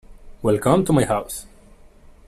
Welcome to my house.